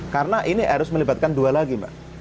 karena ini harus melibatkan dua lagi mbak